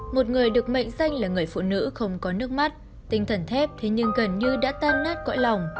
một người được mệnh danh là người phụ nữ không có nước mắt tinh thần thép thế nhưng gần như đã tan nát cõi lòng